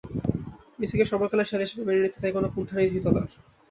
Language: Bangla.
মেসিকে সর্বকালের সেরা হিসেবে মেনে নিতে তাই কোনো কুণ্ঠা নেই ভিতোলোর।